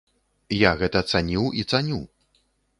Я гэта цаніў і цаню!